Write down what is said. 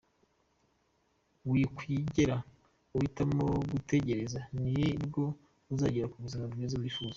Wikwigera uhitamo gutegereza ni bwo uzagera ku buzima bwiza wifuza.